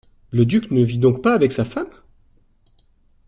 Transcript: Le duc ne vit donc pas avec sa femme ?